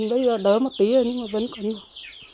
bây giờ đỡ một tí rồi nhưng mà vẫn còn nhiều